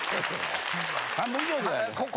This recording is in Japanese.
半分以上じゃない。